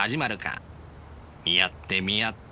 見合って見合って。